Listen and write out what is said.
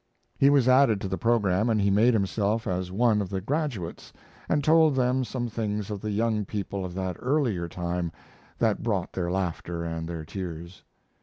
He was added to the program, and he made himself as one of the graduates, and told them some things of the young people of that earlier time that brought their laughter and their tears.